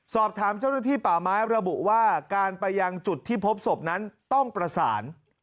สอบถามเจ้าหน้าที่ป่าไม้ระบุว่าการไปยังจุดที่พบศพนั้นต้องประสาน